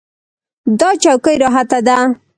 دا چوکۍ راحته ده.